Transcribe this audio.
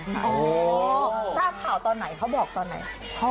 ทราบข่าวตอนไหนเขาบอกตอนไหน